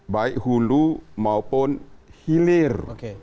baik hulu maupun hilir